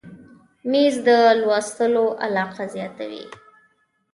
مېز د لوستلو علاقه زیاته وي.